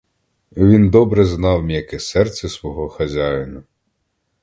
Він добре знав м'яке серце свого хазяїна.